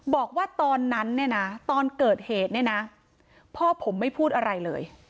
บอกว่าตอนนั้นเนี่ยนะตอนเกิดเหตุเนี่ยนะพ่อผมไม่พูดอะไรเลย